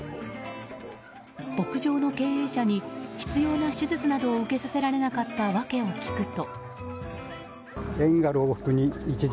牧場の経営者に必要な手術などを受けさせられなかった訳を聞くと。